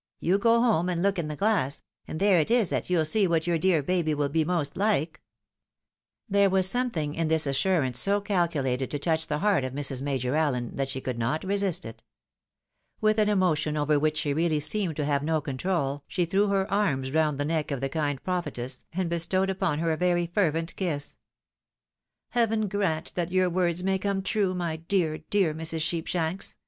You go home, and look in the glass, and there it is that you'U see what your dear baby wiU. be most Uke." 8 THE WIDOW MARRIED. There was sometHng in this assurance so calculated to touch the heart of Mrs. Major Allen, that she could not resist it. With an emotion over which she really seemed to have no con trol, she threw her arms round the neck of the kind prophetess, and bestowed upon her a very fervent kiss. " Heaven grant that your words may come true, my dear, dear Mrs. Sheepshanks !